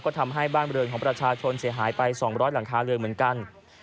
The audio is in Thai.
ก็ทำให้บ้านบริเวณของประชาชนเสียหายไป๒๐๐หลังคาเรือนเหมือนกัน